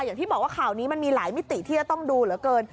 อย่างที่บอกว่าข่าวนี้มันมีหลายมิติที่จะต้องดูเหลือเกิน